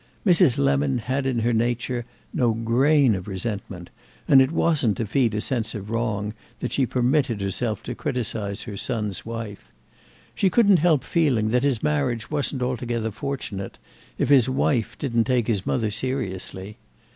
Mrs. Lemon had in her nature no grain of resentment, and it wasn't to feed a sense of wrong that she permitted herself to criticise her son's wife. She couldn't help feeling that his marriage wasn't altogether fortunate if his wife didn't take his mother seriously.